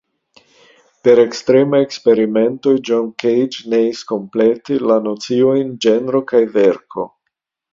Per ekstremaj eksperimentoj John Cage neis komplete la nociojn ĝenro kaj verko.